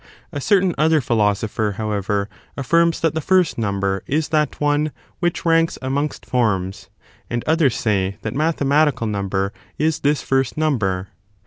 A certain other philo sopher/ however, affirms that the first number is that one which ranks amongst forms ; and others say that mathe matical number is this first number.